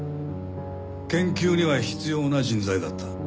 研究には必要な人材だった。